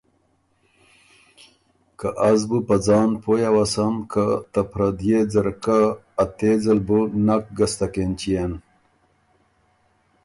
که از بُو په ځان پویٛ اؤسم که ته پرديې ځرکۀ ا تېځ ال بُو نک ګستک اېنچيېن۔